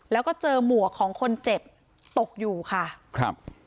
แล้วก็เจอหมวกของคนเจ็บตกอยู่ค่ะครับ